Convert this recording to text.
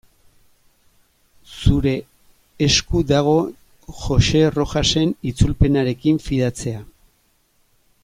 Zure esku dago Joxe Rojasen itzulpenarekin fidatzea.